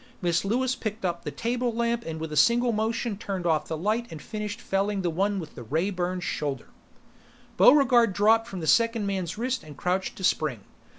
Miss Lewis picked up the table lamp and with a single motion turned off the light and finished felling the one with the ray burned shoulder. Buregarde dropped from the second man's wrist and crouched to spring.